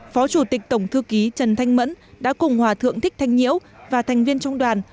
phó chủ tịch tổng thư ký trần thanh mẫn đã cùng hòa thượng thích thanh nhiễu và thành viên trong đoàn